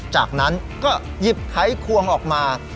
จากนั้นก็หยิบไขควงออกมา